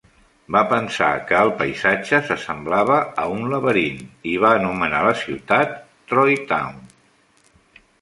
Va pensar que el paisatge s'assemblava a un laberint i va anomenar la ciutat Troytown.